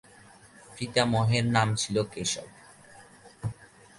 পিতামহের নাম ছিল কেশব।